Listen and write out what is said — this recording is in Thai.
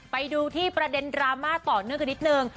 ไปดูที่ประเด็นดราม่าต่อเนื่องกันนิดนึง